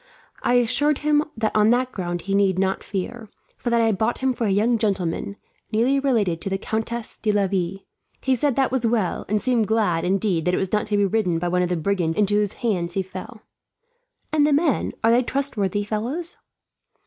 I assured him that on that ground he need not fear; for that I had bought it for a young gentleman, nearly related to the Countess de Laville. He said that was well, and seemed glad, indeed, that it was not to be ridden by one of the brigands into whose hands he fell." "And the men. Are they trustworthy fellows?"